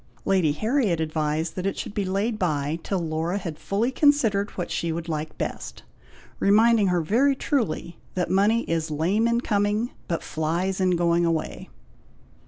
Lady Harriet advised that it should be laid bye till Laura had fully considered what she would like best; reminding her very truly, that money is lame in coming, but flies in going away.